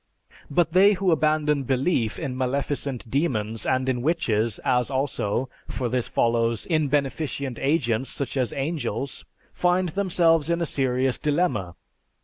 "But they who abandon belief in maleficent demons and in witches as also, for this follows, in beneficent agents, such as angels, find themselves in a serious dilemma.